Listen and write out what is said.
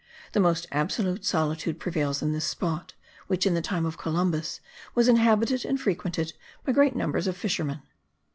The most absolute solitude prevails in this spot, which, in the time of Columbus, was inhabited and frequented by great numbers of fishermen.